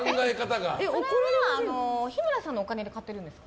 それは日村さんのお金でやってるんですか？